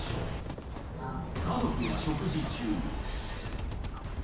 ［家族が食事中］